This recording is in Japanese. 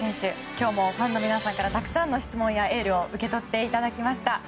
今日もファンの皆さんからたくさんの質問やエールを受け取っていただきました。